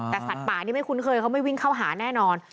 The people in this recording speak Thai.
แต่สัตว์ป่านี่ไม่คุ้นเคยเขาไม่วิ่งเข้าหาแน่นอน